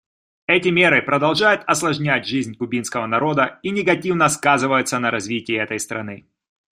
Эти меры продолжают осложнять жизнь кубинского народа и негативно сказываются на развитии этой страны.